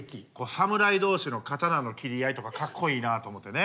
侍同士の刀の斬り合いとかかっこいいなと思ってね。